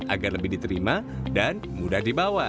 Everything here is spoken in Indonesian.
agar lebih diterima dan mudah dibawa